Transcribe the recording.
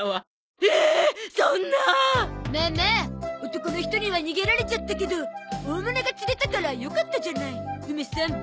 男の人には逃げられちゃったけど大物が釣れたからよかったじゃない梅さん。